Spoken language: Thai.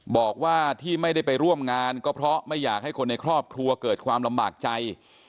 บอกว่าที่ไม่ได้ไปร่วมงานก็เพราะไม่อยากให้คนในครอบครัวเกิดความลำบากใจ